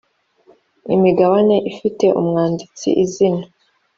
imigabane ifite umwanditsi izina